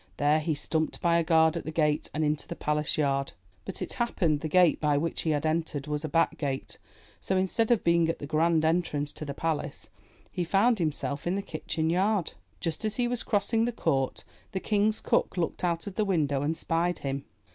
There he stumped by a guard at the gate and into the Palace yard. But it happened the gate by which he had entered was a back gate, so, instead of being at the grand entrance to the Palace, he found himself in the kitchen yard. Just as he was crossing the court, the King's Cook looked out of the window and spied him.